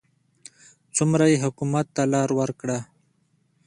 څومره یې حکومت ته لار وکړه.